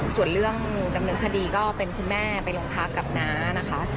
ส่วนเรื่องกรรมเนื้อคดีก็เป็นคุณแม่ไปโรงพยาบาลกับน้านะครับ